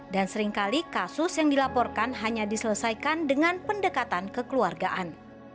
dan seringkali kasus yang dilaporkan hanya diselesaikan dengan pendekatan kekeluargaan